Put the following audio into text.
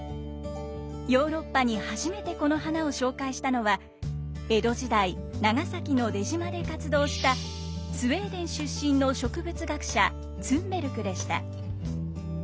ヨーロッパに初めてこの花を紹介したのは江戸時代長崎の出島で活動したスウェーデン出身の植物学者ツンベルクでした。